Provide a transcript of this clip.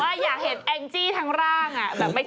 อยากเห็นแองจี้ทั้งร่าง